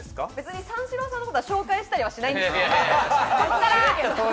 三四郎さんのことは紹介したりはしないんですか？